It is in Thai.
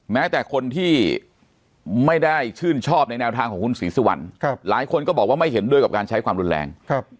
แม้แต่คนที่ไม่ได้ชื่นชอบในแนวทางของคุณศรีสุวรรณหลายคนก็บอกว่าไม่เห็นด้วยกับการใช้ความรุนแรง